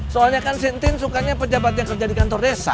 soalnya kan sintin sukanya pejabat yang kerja di kantor desa